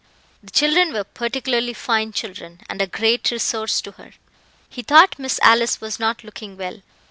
The children were particularly fine children, and a great resource to her. He thought Miss Alice was not looking well.